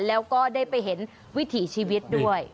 แล้วก็ได้ไปเห็นวิถีชีวิตด้วย